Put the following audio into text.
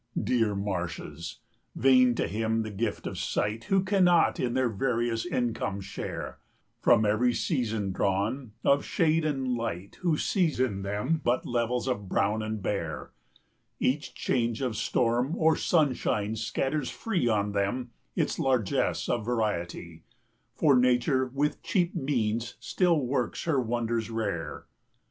Dear marshes! vain to him the gift of sight Who cannot in their various incomes share, 100 From every season drawn, of shade and light, Who sees in them but levels brown and bare; Each change of storm or sunshine scatters free On them its largess of variety, 104 For Nature with cheap means still works her wonders rare.